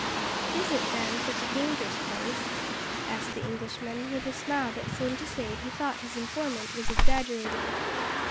"Is it, then, such a dangerous place?" asked the Englishman, with a smile that seemed to say he thought his informant was exaggerating.